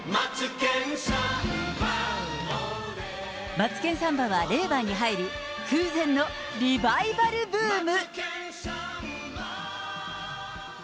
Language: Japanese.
マツケンサンバは令和に入り、空前のリバイバルブーム。